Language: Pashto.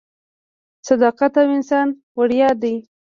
• صداقت د انسان ویاړ دی.